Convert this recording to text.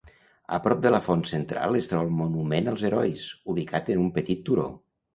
A prop de la font central es troba el Monument als Herois, ubicat en un petit turó.